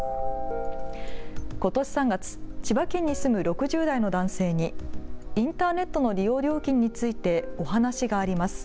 ことし３月、千葉県に住む６０代の男性にインターネットの利用料金についてお話があります。